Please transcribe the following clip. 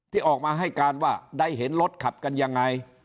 ที่ออกมาให้การว่าได้เห็นรถขับกันยังไง